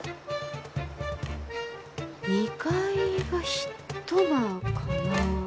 ２階が１間かな？